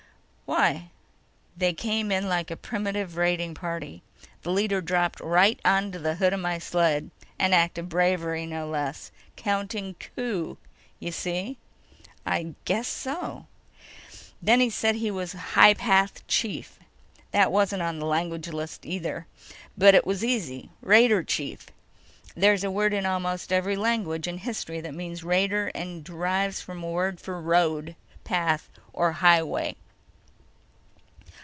"Why?" "They came in like a primitive raiding party. The leader dropped right onto the hood of my sled. An act of bravery, no less. Counting coup, you see?" "I guess so." "Then he said he was High Path Chief. That wasn't on the language list, either. But it was easy: Raider Chief. There's a word in almost every language in history that means raider and derives from a word for road, path or highway."